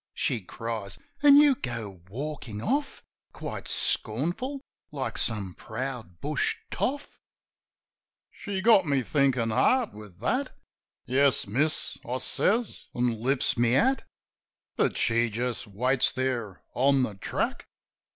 She cries. "An' you go walkin' off, Quite scornful, like some proud bush toff !" She got me thinkin' hard with that. "Yes, miss," I says, an' lifts my hat. But she just waits there on the track.